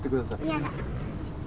嫌だ。